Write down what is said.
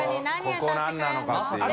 ここ何なのかっていうね。